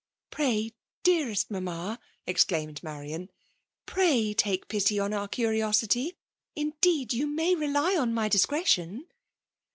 '*'" Fray, dearest mamma," exclaimed Marian ; pray take pity on our curiosity. Indeed you may rely on my discretion